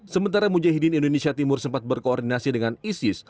sementara mujahidin indonesia timur sempat berkoordinasi dengan isis